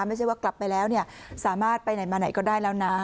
ไม่ใช่ว่ากลับไปแล้วเนี่ยสามารถไปไหนมาไหนก็ได้แล้วนะ